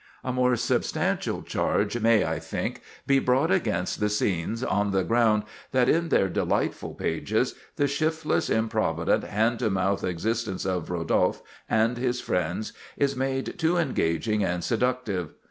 A more substantial charge may, I think, be brought against the "Scenes," on the ground that in their delightful pages the shiftless, improvident, hand to mouth existence of Rodolphe and his friends is made too engaging and seductive.